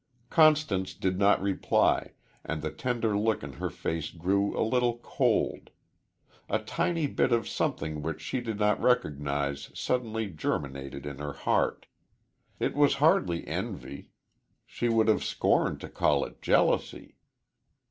Constance did not reply, and the tender look in her face grew a little cold. A tiny bit of something which she did not recognize suddenly germinated in her heart. It was hardly envy she would have scorned to call it jealousy.